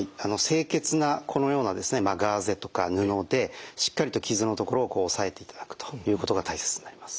清潔なこのようなガーゼとか布でしっかりと傷の所をおさえていただくということが大切になります。